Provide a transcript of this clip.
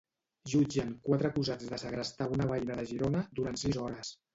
Jutgen quatre acusats de segrestar una veïna de Girona durant sis hores.